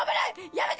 やめて！